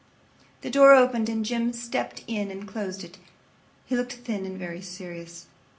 The door opened and Jim stepped in and closed it. He looked thin and very serious.